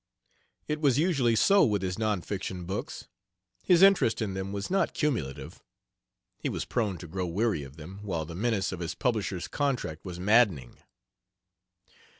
It was usually so with his non fiction books; his interest in them was not cumulative; he was prone to grow weary of them, while the menace of his publisher's contract was maddening.